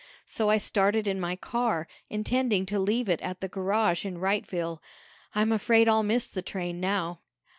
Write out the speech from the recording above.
So I started in my car, intending to leave it at the garage in Wrightville. I'm afraid I'll miss the train now."